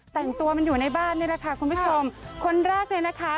แต่งตัวมันอยู่ในบ้านนี่แหละค่ะคุณผู้ชมคนแรกเลยนะคะ